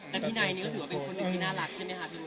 แล้วพี่นายนี่ก็ถือว่าเป็นคนหนึ่งที่น่ารักใช่ไหมคะพี่นุ